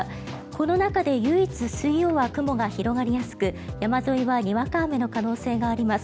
この中で唯一、水曜は雲が広がりやすく山沿いはにわか雨の可能性があります。